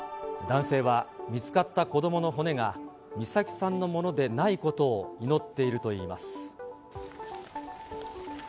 男性は、見つかった子どもの骨が美咲さんのものでないことを祈っているといいます。